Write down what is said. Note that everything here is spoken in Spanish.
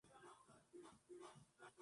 Quizás dos.